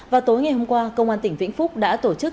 vào tối ngày hôm qua công an tỉnh vĩnh phúc đã tổ chức